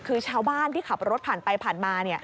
คือชาวบ้านที่ขับรถผ่านไปผ่านมา